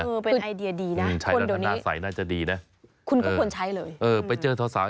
เออเป็นไอเดียดีนะคนเดี๋ยวนี้คุณก็ควรใช้เลยเออไปเจอทราบสาว